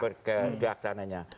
baik ke wartawannya ke pihak sana nya